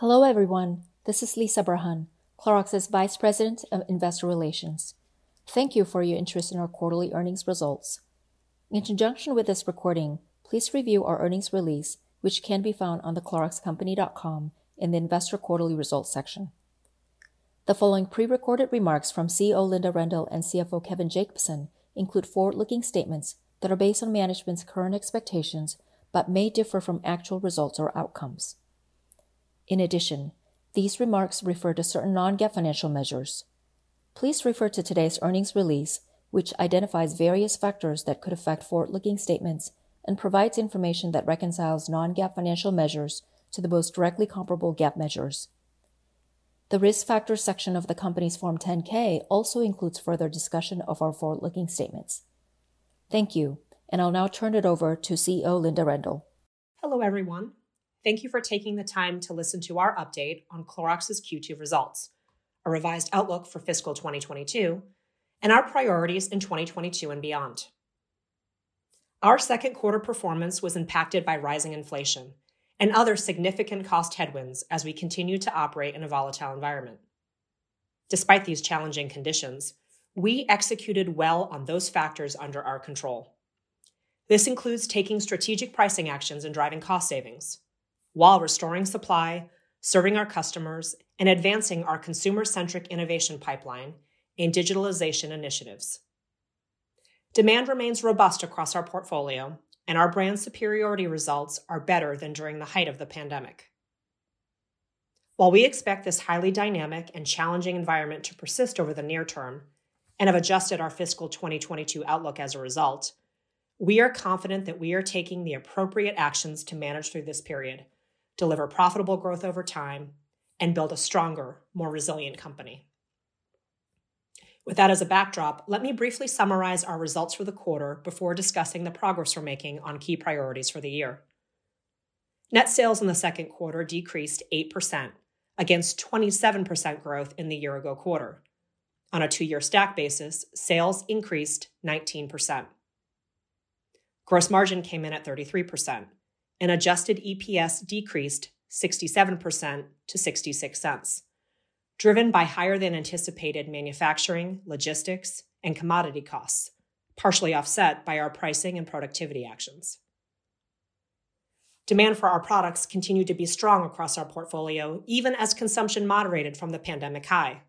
Hello everyone. This is Lisah Burhan, Clorox's Vice President of Investor Relations. Thank you for your interest in our quarterly earnings results. In conjunction with this recording, please review our earnings release, which can be found on thecloroxcompany.com in the Investor Quarterly Results section. The following prerecorded remarks from CEO Linda Rendle and CFO Kevin Jacobsen include forward-looking statements that are based on management's current expectations, but may differ from actual results or outcomes. In addition, these remarks refer to certain non-GAAP financial measures. Please refer to today's earnings release, which identifies various factors that could affect forward-looking statements and provides information that reconciles non-GAAP financial measures to the most directly comparable GAAP measures. The Risk Factors section of the company's Form 10-K also includes further discussion of our forward-looking statements. Thank you. I'll now turn it over to CEO Linda Rendle. Hello, everyone. Thank you for taking the time to listen to our update on Clorox's Q2 results, our revised outlook for fiscal 2022, and our priorities in 2022 and beyond. Our Q2 performance was impacted by rising inflation and other significant cost headwinds as we continue to operate in a volatile environment. Despite these challenging conditions, we executed well on those factors under our control. This includes taking strategic pricing actions and driving cost savings while restoring supply, serving our customers, and advancing our consumer-centric innovation pipeline in digitalization initiatives. Demand remains robust across our portfolio and our brand superiority results are better than during the height of the pandemic. While we expect this highly dynamic and challenging environment to persist over the near term and have adjusted our fiscal 2022 outlook as a result, we are confident that we are taking the appropriate actions to manage through this period, deliver profitable growth over time, and build a stronger, more resilient company. With that as a backdrop, let me briefly summarize our results for the quarter before discussing the progress we're making on key priorities for the year. Net sales in the Q2 decreased 8% against 27% growth in the year-ago quarter. On a two-year stack basis, sales increased 19%. Gross margin came in at 33% and adjusted EPS decreased 67% to $0.66, driven by higher than anticipated manufacturing, logistics, and commodity costs, partially offset by our pricing and productivity actions. Demand for our products continued to be strong across our portfolio, even as consumption moderated from the pandemic high.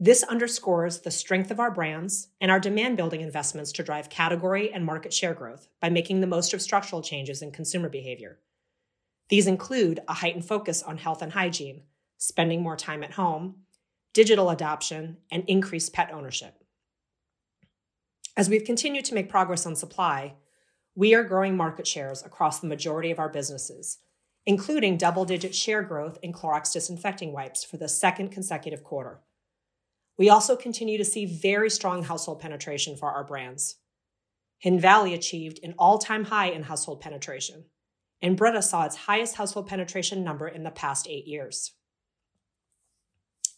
This underscores the strength of our brands and our demand-building investments to drive category and market share growth by making the most of structural changes in consumer behavior. These include a heightened focus on health and hygiene, spending more time at home, digital adoption, and increased pet ownership. As we've continued to make progress on supply, we are growing market shares across the majority of our businesses, including double-digit share growth in Clorox Disinfecting Wipes for the second consecutive quarter. We also continue to see very strong household penetration for our brands. Hidden Valley achieved an all-time high in household penetration, and Brita saw its highest household penetration number in the past eight years.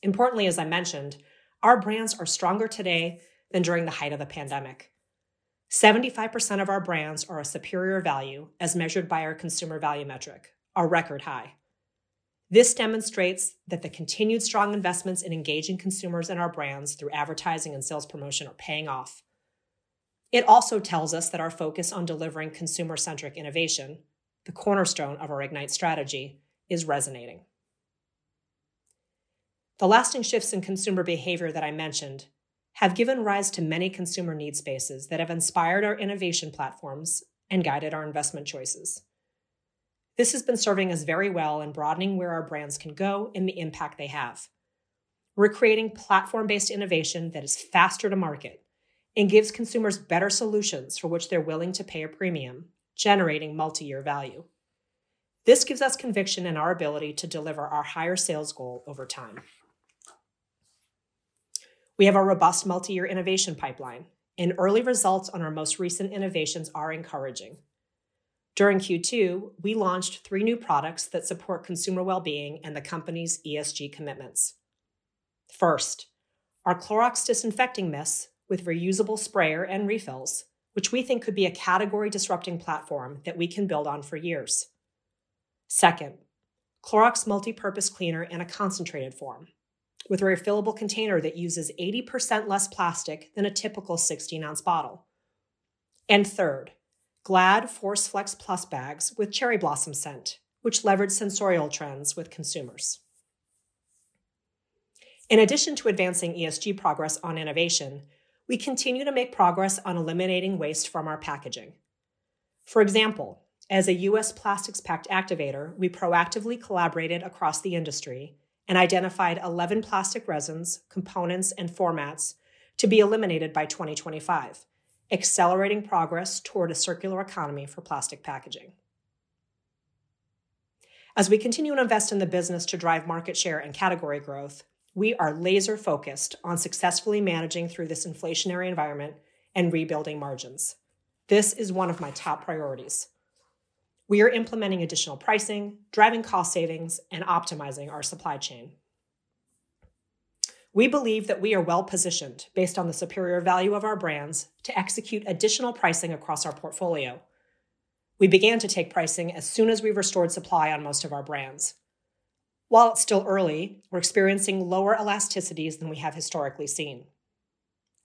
Importantly, as I mentioned, our brands are stronger today than during the height of the pandemic. 75% of our brands are a superior value as measured by our consumer value metric, a record high. This demonstrates that the continued strong investments in engaging consumers in our brands through advertising and sales promotion are paying off. It also tells us that our focus on delivering consumer-centric innovation, the cornerstone of our IGNITE strategy, is resonating. The lasting shifts in consumer behavior that I mentioned have given rise to many consumer need spaces that have inspired our innovation platforms and guided our investment choices. This has been serving us very well in broadening where our brands can go and the impact they have. We're creating platform-based innovation that is faster to market and gives consumers better solutions for which they're willing to pay a premium, generating multi-year value. This gives us conviction in our ability to deliver our higher sales goal over time. We have a robust multi-year innovation pipeline and early results on our most recent innovations are encouraging. During Q2, we launched three new products that support consumer well-being and the company's ESG commitments. First, our Clorox Disinfecting Mist with reusable sprayer and refills, which we think could be a category-disrupting platform that we can build on for years. Second, Clorox Multi-Purpose Cleaner in a concentrated form with a refillable container that uses 80% less plastic than a typical 16-ounce bottle. Third, Glad ForceFlexPlus bags with cherry blossom scent, which leverage sensorial trends with consumers. In addition to advancing ESG progress on innovation, we continue to make progress on eliminating waste from our packaging. For example, as a U.S. Plastics Pact activator, we proactively collaborated across the industry and identified 11 plastic resins, components, and formats to be eliminated by 2025, accelerating progress toward a circular economy for plastic packaging. As we continue to invest in the business to drive market share and category growth, we are laser focused on successfully managing through this inflationary environment and rebuilding margins. This is one of my top priorities. We are implementing additional pricing, driving cost savings, and optimizing our supply chain. We believe that we are well-positioned based on the superior value of our brands to execute additional pricing across our portfolio. We began to take pricing as soon as we restored supply on most of our brands. While it's still early, we're experiencing lower elasticities than we have historically seen.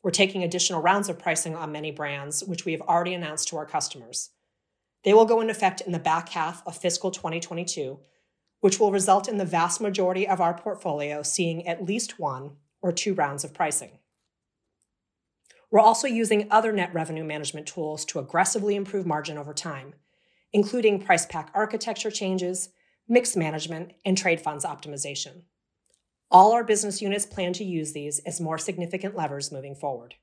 We're taking additional rounds of pricing on many brands, which we have already announced to our customers. They will go into effect in the back half of fiscal 2022, which will result in the vast majority of our portfolio seeing at least one or two rounds of pricing. We're also using other net revenue management tools to aggressively improve margin over time, including price pack architecture changes, mix management, and trade funds optimization. All our business units plan to use these as more significant levers moving forward.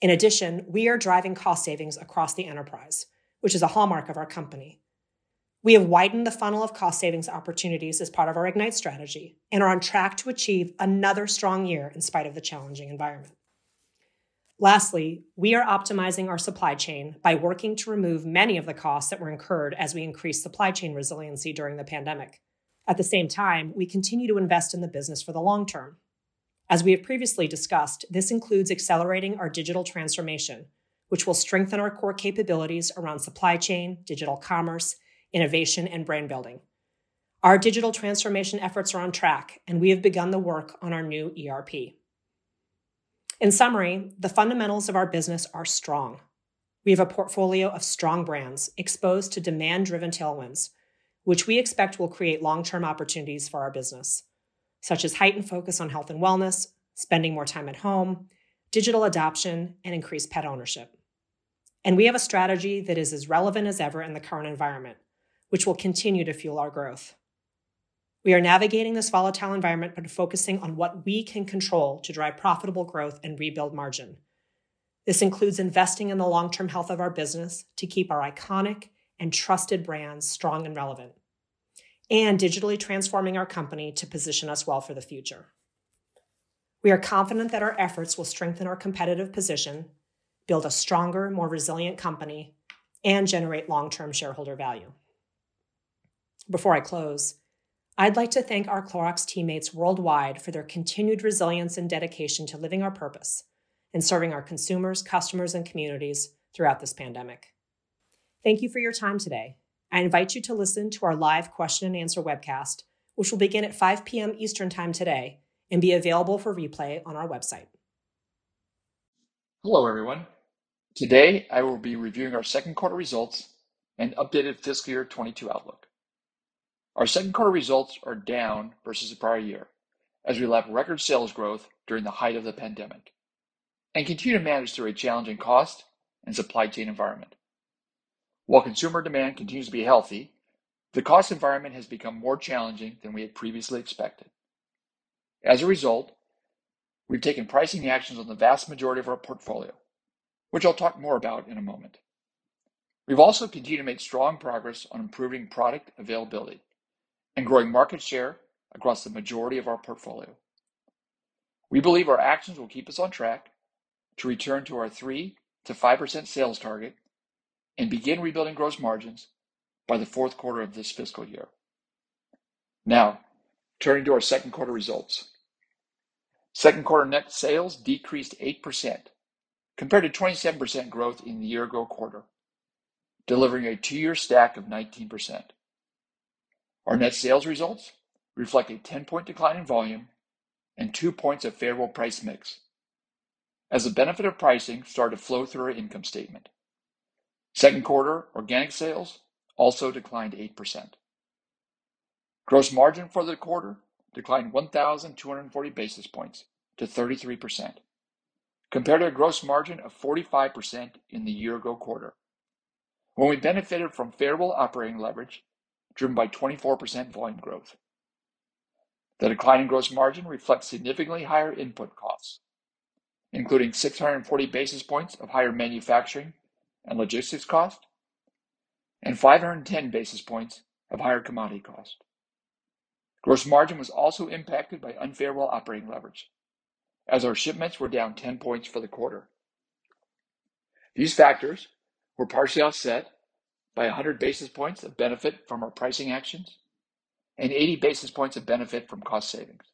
In addition, we are driving cost savings across the enterprise, which is a hallmark of our company. We have widened the funnel of cost savings opportunities as part of our IGNITE strategy and are on track to achieve another strong year in spite of the challenging environment. Lastly, we are optimizing our supply chain by working to remove many of the costs that were incurred as we increased supply chain resiliency during the pandemic. At the same time, we continue to invest in the business for the long term. As we have previously discussed, this includes accelerating our digital transformation, which will strengthen our core capabilities around supply chain, digital commerce, innovation, and brand building. Our digital transformation efforts are on track, and we have begun the work on our new ERP. In summary, the fundamentals of our business are strong. We have a portfolio of strong brands exposed to demand-driven tailwinds, which we expect will create long-term opportunities for our business, such as heightened focus on health and wellness, spending more time at home, digital adoption, and increased pet ownership. We have a strategy that is as relevant as ever in the current environment, which will continue to fuel our growth. We are navigating this volatile environment by focusing on what we can control to drive profitable growth and rebuild margin. This includes investing in the long-term health of our business to keep our iconic and trusted brands strong and relevant, and digitally transforming our company to position us well for the future. We are confident that our efforts will strengthen our competitive position, build a stronger, more resilient company, and generate long-term shareholder value. Before I close, I'd like to thank our Clorox teammates worldwide for their continued resilience and dedication to living our purpose in serving our consumers, customers, and communities throughout this pandemic. Thank you for your time today. I invite you to listen to our live question and answer webcast, which will begin at 5:00 P.M. Eastern Time today and be available for replay on our website. Hello, everyone. Today, I will be reviewing our Q2 results and updated fiscal year 2022 outlook. Our Q2 results are down versus the prior year as we lap record sales growth during the height of the pandemic and continue to manage through a challenging cost and supply chain environment. While consumer demand continues to be healthy, the cost environment has become more challenging than we had previously expected. As a result, we've taken pricing actions on the vast majority of our portfolio, which I'll talk more about in a moment. We've also continued to make strong progress on improving product availability and growing market share across the majority of our portfolio. We believe our actions will keep us on track to return to our 3%-5% sales target and begin rebuilding gross margins by the Q4 of this fiscal year. Now, turning to our Q2 results. Q2 net sales decreased 8% compared to 27% growth in the year ago quarter, delivering a two-year stack of 19%. Our net sales results reflect a 10-point decline in volume and 2 points of favorable price mix as the benefit of pricing started to flow through our income statement. Q2 organic sales also declined 8%. Gross margin for the quarter declined 1,240 basis points to 33% compared to a gross margin of 45% in the year ago quarter when we benefited from favorable operating leverage driven by 24% volume growth. The decline in gross margin reflects significantly higher input costs, including 640 basis points of higher manufacturing and logistics cost and 510 basis points of higher commodity cost. Gross margin was also impacted by unfavorable operating leverage as our shipments were down 10 points for the quarter. These factors were partially offset by 100 basis points of benefit from our pricing actions and 80 basis points of benefit from cost savings.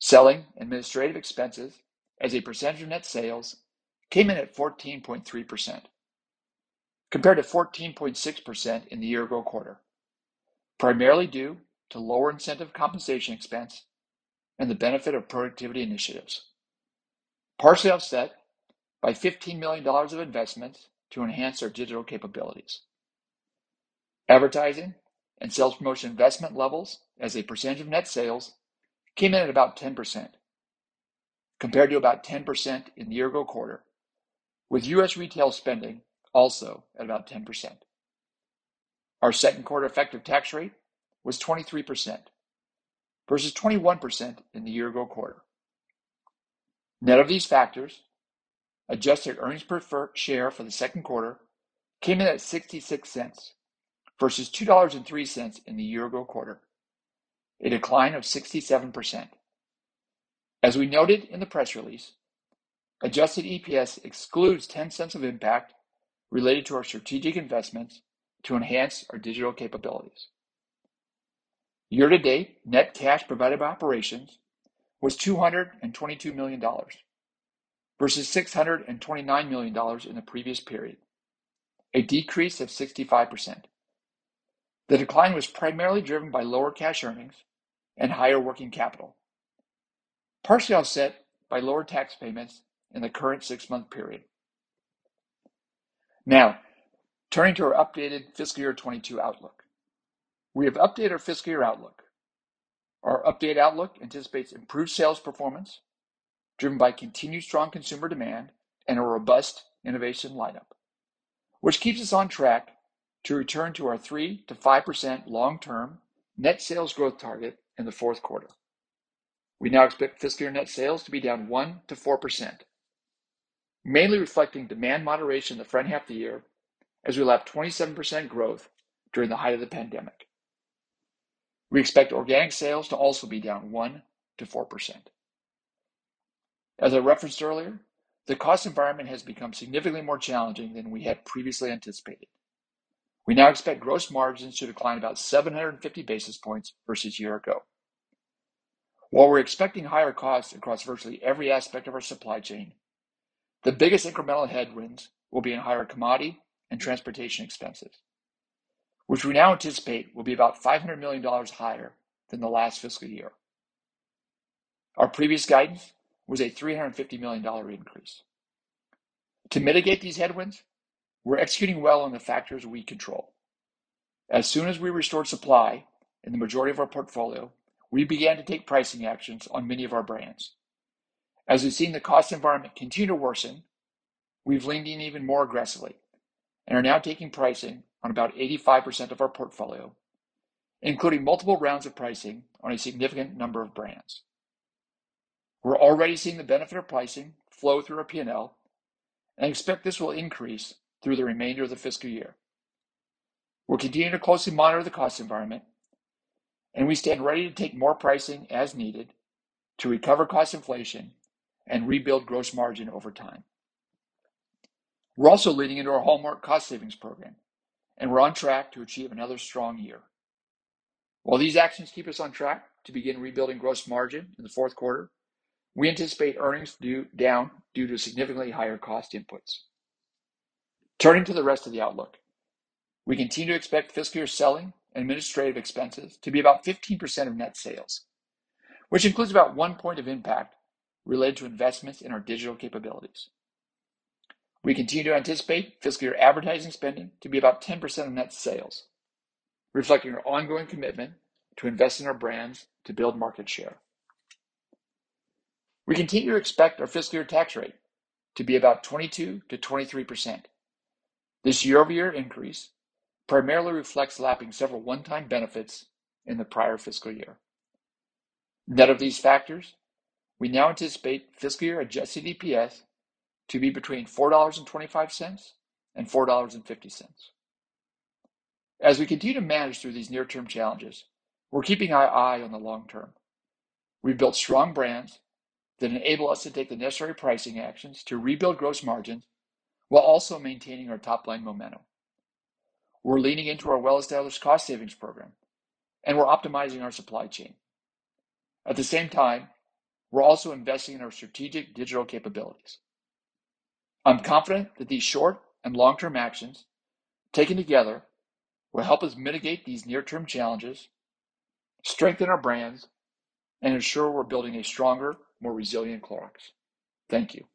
Selling administrative expenses as a percentage of net sales came in at 14.3% compared to 14.6% in the year ago quarter, primarily due to lower incentive compensation expense and the benefit of productivity initiatives, partially offset by $15 million of investment to enhance our digital capabilities. Advertising and sales promotion investment levels as a percentage of net sales came in at about 10% compared to about 10% in the year ago quarter, with U.S. retail spending also at about 10%. Our Q2 effective tax rate was 23% versus 21% in the year ago quarter. Net of these factors, adjusted earnings per share for the Q2 came in at $0.66 versus $2.03 in the year ago quarter, a decline of 67%. As we noted in the press release. Adjusted EPS excludes $0.10 of impact related to our strategic investments to enhance our digital capabilities. Year to date, net cash provided by operations was $222 million versus $629 million in the previous period, a decrease of 65%. The decline was primarily driven by lower cash earnings and higher working capital, partially offset by lower tax payments in the current six-month period. Now, turning to our updated fiscal year 2022 outlook. We have updated our fiscal year outlook. Our updated outlook anticipates improved sales performance driven by continued strong consumer demand and a robust innovation lineup, which keeps us on track to return to our 3%-5% long-term net sales growth target in the Q4. We now expect fiscal year net sales to be down 1%-4%, mainly reflecting demand moderation in the front half of the year as we lap 27% growth during the height of the pandemic. We expect organic sales to also be down 1%-4%. As I referenced earlier, the cost environment has become significantly more challenging than we had previously anticipated. We now expect gross margins to decline about 750 basis points versus year ago. While we're expecting higher costs across virtually every aspect of our supply chain, the biggest incremental headwinds will be in higher commodity and transportation expenses, which we now anticipate will be about $500 million higher than the last fiscal year. Our previous guidance was a $350 million increase. To mitigate these headwinds, we're executing well on the factors we control. As soon as we restored supply in the majority of our portfolio, we began to take pricing actions on many of our brands. As we've seen the cost environment continue to worsen, we've leaned in even more aggressively and are now taking pricing on about 85% of our portfolio, including multiple rounds of pricing on a significant number of brands. We're already seeing the benefit of pricing flow through our P&L and expect this will increase through the remainder of the fiscal year. We're continuing to closely monitor the cost environment, and we stand ready to take more pricing as needed to recover cost inflation and rebuild gross margin over time. We're also leaning into our hallmark cost savings program, and we're on track to achieve another strong year. While these actions keep us on track to begin rebuilding gross margin in the Q4, we anticipate earnings down due to significantly higher cost inputs. Turning to the rest of the outlook. We continue to expect fiscal year selling and administrative expenses to be about 15% of net sales, which includes about 1 point of impact related to investments in our digital capabilities. We continue to anticipate fiscal year advertising spending to be about 10% of net sales, reflecting our ongoing commitment to invest in our brands to build market share. We continue to expect our fiscal year tax rate to be about 22%-23%. This year-over-year increase primarily reflects lapping several one-time benefits in the prior fiscal year. Net of these factors, we now anticipate fiscal year adjusted EPS to be between $4.25 and $4.50. As we continue to manage through these near-term challenges, we're keeping our eye on the long term. We've built strong brands that enable us to take the necessary pricing actions to rebuild gross margins while also maintaining our top-line momentum. We're leaning into our well-established cost savings program, and we're optimizing our supply chain. At the same time, we're also investing in our strategic digital capabilities. I'm confident that these short- and long-term actions taken together will help us mitigate these near-term challenges, strengthen our brands, and ensure we're building a stronger, more resilient Clorox. Thank you.